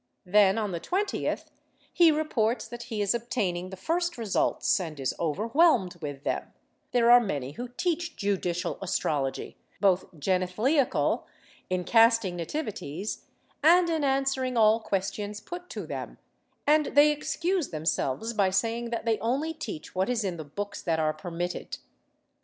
Then, on the 20th, he reports that he is obtaining the first results and is overwhelmed with them; there are many who teach judicial astrology, both genethliacal, in casting nativities, and in answering all questions put to them, and they excuse themselves by saying that they only teach what is in the books that are permitted.